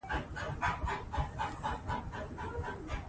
د افغانستان د موقعیت د افغانستان د اقتصادي ودې لپاره ارزښت لري.